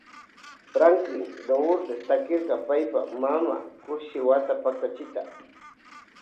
Franklin Lourdes takirka paypa mamama Kushi wata paktachita.